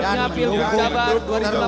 dan menyukung pilgub jabar dua ribu delapan belas